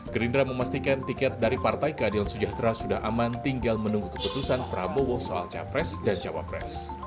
gerindra memastikan tiket dari partai keadilan sejahtera sudah aman tinggal menunggu keputusan prabowo soal capres dan cawapres